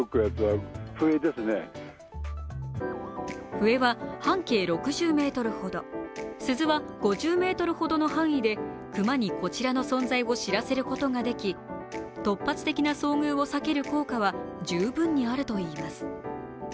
笛は半径６０ｍほど、鈴は５０ｍほどの範囲で熊にこちらの存在を知らせることができ、突発的な遭遇を避ける効果は十分にあるといいます。